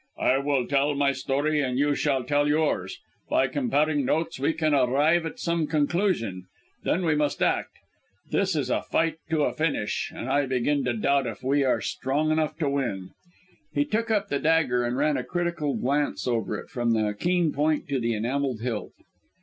"I will tell my story, and you shall tell yours. By comparing notes, we can arrive at some conclusion. Then we must act. This is a fight to a finish, and I begin to doubt if we are strong enough to win." He took up the dagger and ran a critical glance over it, from the keen point to the enamelled hilt.